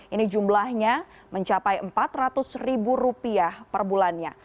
ini jumlahnya mencapai rp empat ratus per bulannya